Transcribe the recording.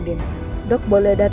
terima kasih pak